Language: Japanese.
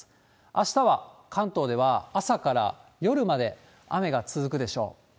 あしたは、関東では朝から夜まで雨が続くでしょう。